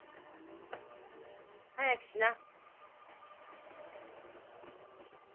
早くしな。